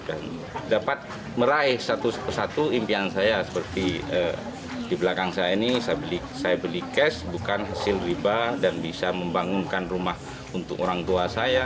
dan dapat meraih satu satu impian saya seperti di belakang saya ini saya beli cash bukan hasil riba dan bisa membangunkan rumah untuk orang tua saya